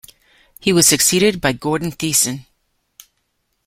He was succeeded by Gordon Thiessen.